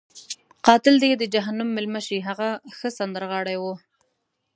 قاتل دې یې د جهنم میلمه شي، هغه ښه سندرغاړی وو.